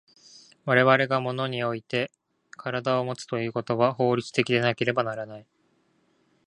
我々が物において身体をもつということは法律的でなければならない。